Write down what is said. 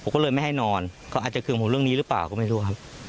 เขาอาจจะเคลื่อนกับผมเรื่องนี้หรือเปล่าก็ไม่รู้ครับ